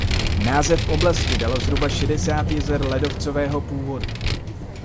Název oblasti dalo zhruba šedesát jezer ledovcového původu.